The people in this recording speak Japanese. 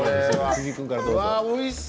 藤井君からどうぞ。